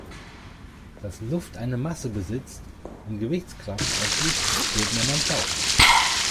Dass Luft eine Masse besitzt und Gewichtskraft ausübt, spürt man beim Tauchen.